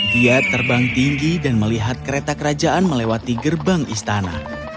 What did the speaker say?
dia terbang tinggi dan melihat kereta kerajaan melewati gerbang istana